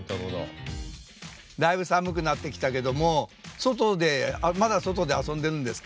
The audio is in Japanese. だいぶ寒くなってきたけどもまだ外で遊んでるんですか？